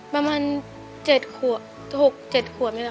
ประมาณ๖๗ขวบนี่แหละค่ะ